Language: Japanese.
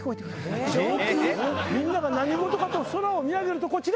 みんなが何事か？と空を見上げるとこちら。